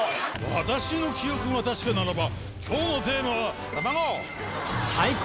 私の記憶が確かならば今日のテーマは。